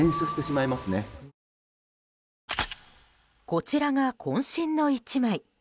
こちらが渾身の１枚。